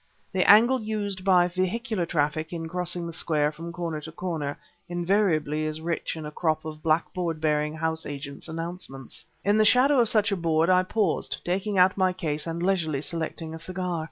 The angle used by vehicular traffic in crossing the square from corner to corner invariably is rich in a crop of black board bearing house agent's announcements. In the shadow of such a board I paused, taking out my case an leisurely selecting a cigar.